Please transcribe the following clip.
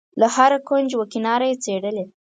له هره کونج و کناره یې څېړلې.